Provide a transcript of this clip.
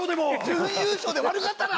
準優勝で悪かったな！